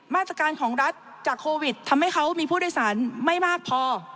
มาตรการของรัฐจากโควิดทำให้เขามีผู้โดยสารไม่มากพอ